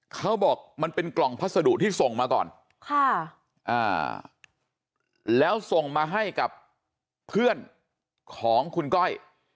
เขาบอกมันเป็นกล่องพัสดุที่ส่งมาก่อนแล้วส่งมาให้กับเพื่อนของคุณก้อย